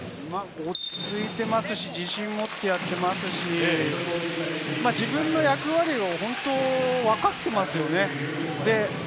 落ち着いていますし、自信を持ってやっていますし、自分の役割を本当に分かっていますよね。